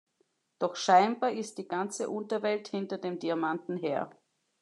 Doch scheinbar ist die ganze Unterwelt hinter den Diamanten her.